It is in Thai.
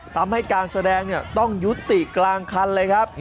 ทำให้การแสดงต้องยุติกลางคันเลยครับ